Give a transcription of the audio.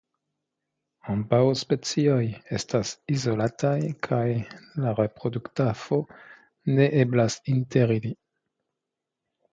Ambaŭ specioj estas izolataj kaj la reproduktafo ne eblas inter ili.